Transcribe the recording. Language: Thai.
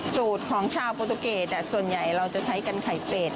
สูตรของชาวโปรตุเกตส่วนใหญ่เราจะใช้กันไข่เป็ด